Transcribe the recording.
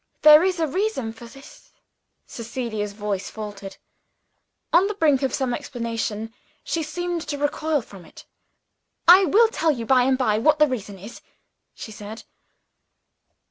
There is a reason for this " Cecilia's voice faltered. On the brink of some explanation, she seemed to recoil from it. "I will tell you by and by what the reason is," she said.